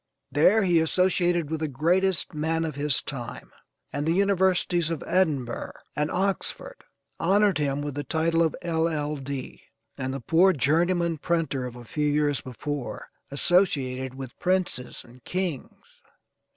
There he associated with the greatest men of his time, and the universities of Edinburgh and Oxford honored him with the title of L.L.D. and the poor journeyman printer of a few years before, associated with princes and kings.